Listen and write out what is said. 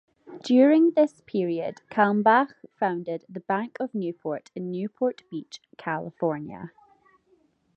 During this period Kalmbach founded the Bank of Newport, in Newport Beach, California.